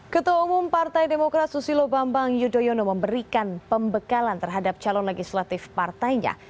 ketua umum partai demokrat susilo bambang yudhoyono memberikan pembekalan terhadap calon legislatif partainya